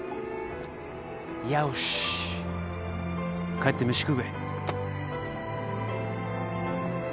ようし帰って飯食うべ。